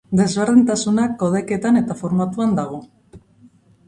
Desberdintasuna kodeketan eta formatuan dago.